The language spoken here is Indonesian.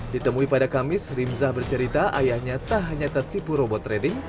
ditemui pada kamis rimzah bercerita ayahnya tak hanya tertipu robot trading